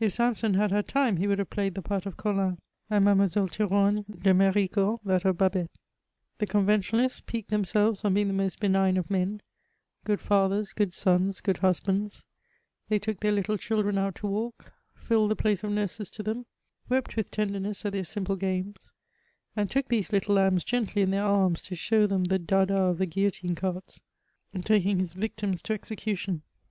If Samson had had time, he would have played the part of Colin^ and Mademoiselle Th6roigne de M6ricourt that of BaheL The Conventionalists piqued themselves on being the most benign of men ; good fathers, good sons, good husbands ; they took their little children out to walk ; filled the place of nurses to them ; wept with tenderness at their simple games ; and took these litde lambs gently in their arms to show them the dada of the guillotine carts taking his victims to execution.